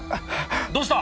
どうした？